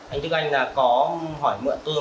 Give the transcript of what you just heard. anh đức anh là có hỏi mượn tôi